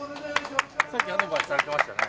さっきアドバイスされてましたね